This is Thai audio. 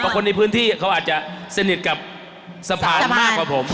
คนในพื้นที่เขาอาจจะสนิทกับสะพานมากกว่าผม